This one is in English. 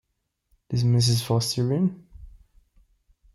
Is Mrs. Foster in?